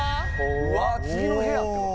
うわ次の部屋。